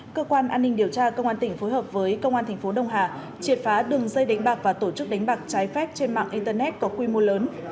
cơ quan an ninh điều tra công an tỉnh phối hợp với công an tp đh triệt phá đường dây đánh bạc và tổ chức đánh bạc trái phép trên mạng internet có quy mô lớn